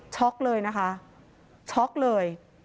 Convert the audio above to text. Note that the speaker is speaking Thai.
ช็อกเลยนะคะช็อกเลย